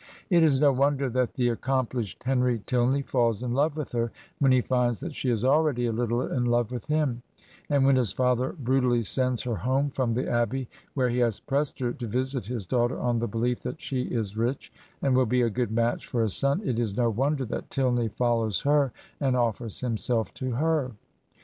It is no wonder that the accompUshed Henry Tilney falls in love with her when he finds that she is already a Uttle in love with him; and when his father brutally sends her home from the Abbey where he has pressed her to visit his daughter on the belief that she is rich and will be a good match for his son, it is no wonder that Tilney follows her and offers himself to her.